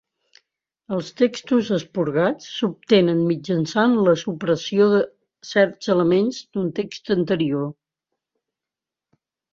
Els textos esporgats s'obtenen mitjançant la supressió de certs elements d'un text anterior.